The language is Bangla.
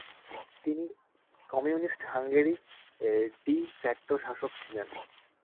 তিনি কমিউনিস্ট হাঙ্গেরি এর 'ডি ফ্যাক্টো' শাসক ছিলেন।